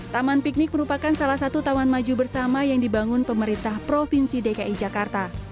taman piknik merupakan salah satu taman maju bersama yang dibangun pemerintah provinsi dki jakarta